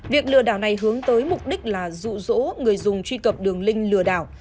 việc lừa đảo này hướng tới mục đích là dụ dỗ người dùng truy cập đường link lừa đảo